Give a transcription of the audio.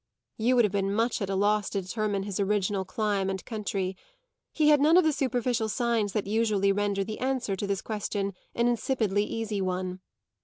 You would have been much at a loss to determine his original clime and country; he had none of the superficial signs that usually render the answer to this question an insipidly easy one.